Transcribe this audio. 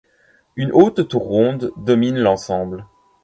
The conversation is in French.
Une haute tour ronde domine l'ensemble.